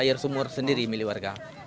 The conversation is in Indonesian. air sumur sendiri milik warga